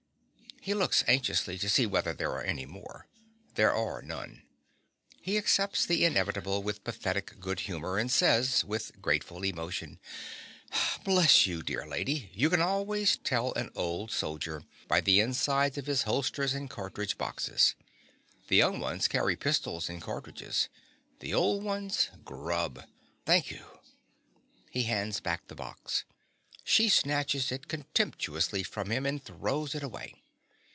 (_He looks anxiously to see whether there are any more. There are none. He accepts the inevitable with pathetic goodhumor, and says, with grateful emotion_) Bless you, dear lady. You can always tell an old soldier by the inside of his holsters and cartridge boxes. The young ones carry pistols and cartridges; the old ones, grub. Thank you. (_He hands back the box. She snatches it contemptuously from him and throws it away.